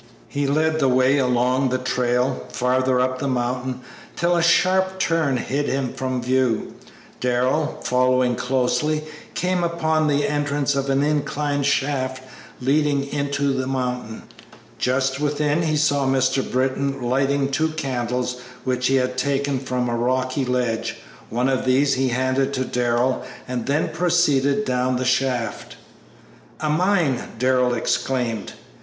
He led the way along the trail, farther up the mountain, till a sharp turn hid him from view. Darrell, following closely, came upon the entrance of an incline shaft leading into the mountain. Just within he saw Mr. Britton lighting two candles which he had taken from a rocky ledge; one of these he handed to Darrell, and then proceeded down the shaft. "A mine!" Darrell exclaimed.